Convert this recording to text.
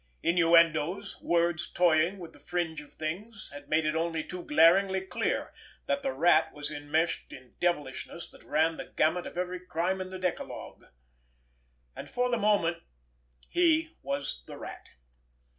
Innuendoes, words toying with the fringe of things, had made it only too glaringly clear that the Rat was enmeshed in devilishness that ran the gamut of every crime in the decalogue. And for the moment he was the Rat!